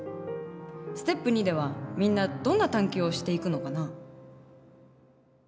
ステップ２ではみんなどんな探究をしていくのかな？